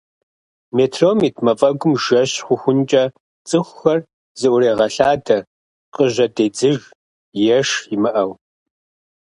Метром ит мафӏэгум жэщ хъухункӏэ цӏыхухэр зыӏурегъэлъадэ къыжьэдедзыж, еш имыӏэу.